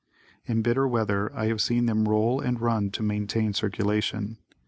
In bitter weather I have seen them roll and run to maintain circulation.